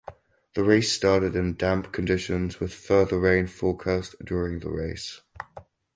The race started in damp conditions with further rain forecast during the race.